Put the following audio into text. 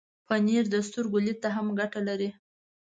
پنېر د سترګو لید ته هم ګټه لري.